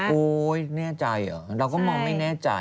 โอ๊ยแน่ใจเหรอเราก็มองไม่แน่ใจ